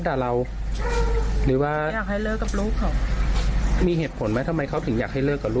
มันจูงใจขนาดถึงทำให้ต้องมาทำร้ายร่างกายเขาเลยเหรอ